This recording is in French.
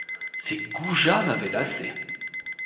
Ces goujats m'avaient lassé.